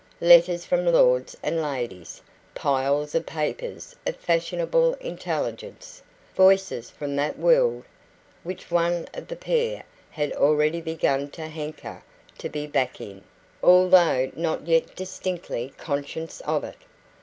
Letters from lords and ladies, piles of papers of fashionable intelligence, voices from that world which one of the pair had already begun to hanker to be back in, although not yet distinctly conscious of it.